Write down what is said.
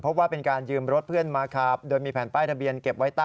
พบว่าเป็นการยืมรถเพื่อนมาขับโดยมีแผ่นป้ายทะเบียนเก็บไว้ใต้